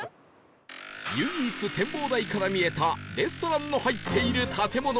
唯一展望台から見えたレストランの入っている建物へ